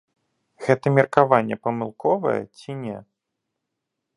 Гэта меркаванне памылковае ці не?